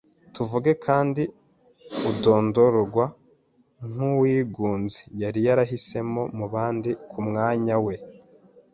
tuvuge, kandi udondorwa nkuwigunze, yari yarahisemo mubandi kumwanya we